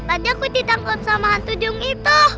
tadi aku tbi tangkap sama hantu duyung itu